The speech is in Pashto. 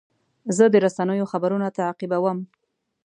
زه د رسنیو خبرونه تعقیبوم.